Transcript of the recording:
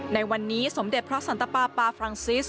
ในวันนี้สมเด็จพระสันตปาปาฟรังซิส